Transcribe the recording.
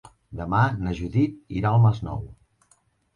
Demà na Judit irà al Masnou.